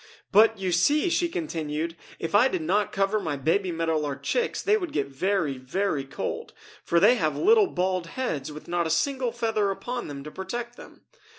"But, you see," she continued, "if I did not cover my baby Meadow Lark chicks they would get very, very cold, for they have little bald heads with not a single feather upon them to protect them!